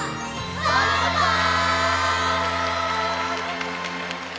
バイバイ！